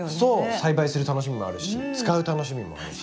栽培する楽しみもあるし使う楽しみもあるし。